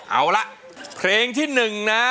เอาละเพลงที่๑นะ